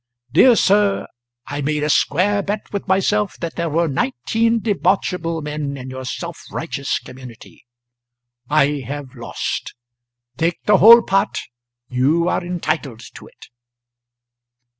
Dear sir, I made a square bet with myself that there were nineteen debauchable men in your self righteous community. I have lost. Take the whole pot, you are entitled to it."